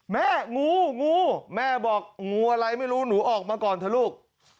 งูงูแม่บอกงูอะไรไม่รู้หนูออกมาก่อนเถอะลูก